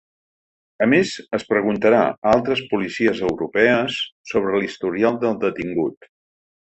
A més, es preguntarà a altres policies europees sobre l’historial del detingut.